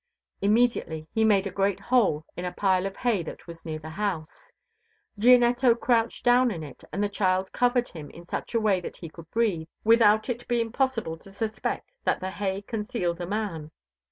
Immediately he made a great hole in a pile of hay that was near the house. Gianetto crouched down in it and the child covered him in such a way that he could breathe without it being possible to suspect that the hay concealed a man.